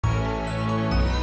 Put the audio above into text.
terima kasih udah nonton